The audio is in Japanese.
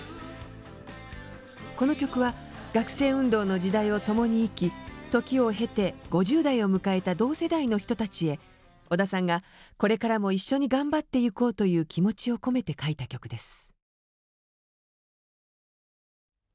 この曲は学生運動の時代を共に生き時を経て５０代を迎えた同世代の人たちへ小田さんがこれからも一緒に頑張っていこうという気持ちを込めて書いた曲です。